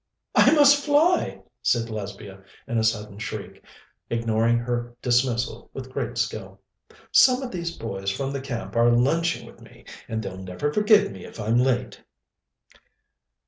"I must fly," said Lesbia in a sudden shriek, ignoring her dismissal with great skill. "Some of those boys from the camp are lunching with me, and they'll never forgive me if I'm late."